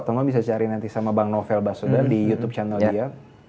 atau ngomong bisa cari nanti sama bang novel baswedan di youtube channel dia